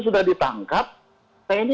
sudah ditangkap tni